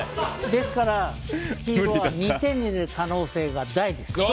ですから、黄色は２点になる可能性が大です。